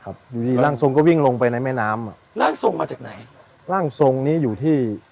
อยู่ดีร่างทรงก็วิ่งลงไปในแม่น้ำอ่ะร่างทรงมาจากไหนร่างทรงนี้อยู่ที่